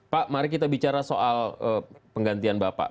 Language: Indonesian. pak mari kita bicara soal penggantian bapak